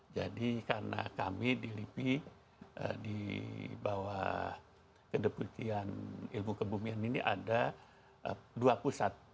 jadi karena kami di lipi di bawah kedeputian ilmu kebumian ini ada dua pusat